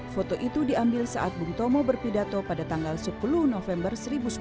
foto itu diambil saat bung tomo berpidato pada tanggal sepuluh november seribu sembilan ratus empat puluh